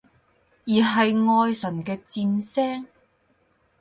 而係愛神嘅箭聲？